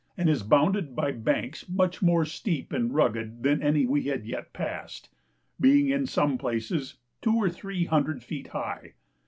and is bounded by banks much more steep and rugged than any we had yet passed, being in some places two or three hundred feet high.